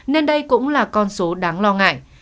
nên đây cũng là con số đáng lo ngại